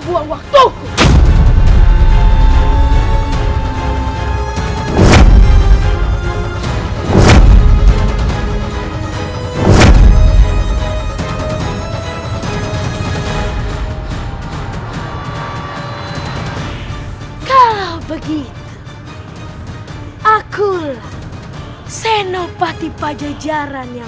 bahwa kau adalah senopati di pajajaran